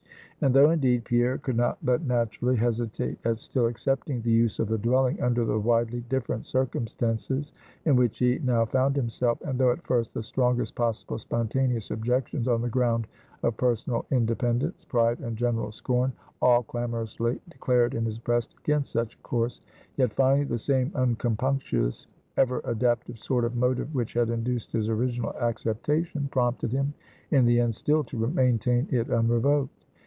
And though, indeed, Pierre could not but naturally hesitate at still accepting the use of the dwelling, under the widely different circumstances in which he now found himself; and though at first the strongest possible spontaneous objections on the ground of personal independence, pride, and general scorn, all clamorously declared in his breast against such a course; yet, finally, the same uncompunctuous, ever adaptive sort of motive which had induced his original acceptation, prompted him, in the end, still to maintain it unrevoked.